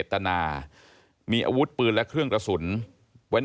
ที่มันก็มีเรื่องที่ดิน